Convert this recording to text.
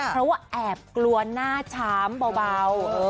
เพราะว่าแอบกลัวหน้าชามเบา